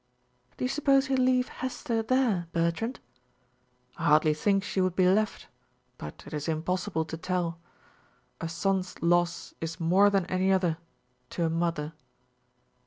"Do you suppose he'll leave Hester there, Bertrand?" "I hardly think she would be left, but it is impossible to tell. A son's loss is more than any other to a mother."